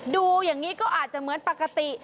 ดูอย่างนี้ก็อาจจะเหมือนปกติ